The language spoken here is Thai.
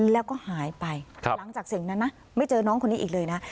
แล้วก็หายไปหลังจากเสียงนั้นนะไม่เจอน้องคนนี้อีกเลยนะ